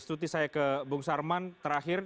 setelah itu saya ke bung sarman terakhir